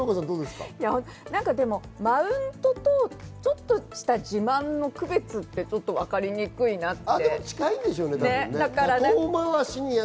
でもマウントとちょっとした自慢の区別ってわかりにくいなぁって。